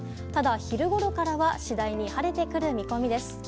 ただ、昼ごろからは次第に晴れてくる見込みです。